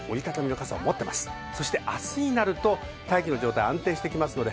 明日になると大気の状態が安定してきます。